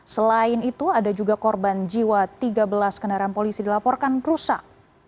selain itu ada juga korban jiwa tiga belas kendaraan polisi dilaporkan rusak